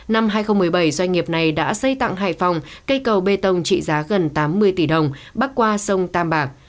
năm hai nghìn một mươi bảy doanh nghiệp này đã xây tặng hải phòng cây cầu bê tông trị giá gần tám mươi tỷ đồng bắc qua sông tam bạc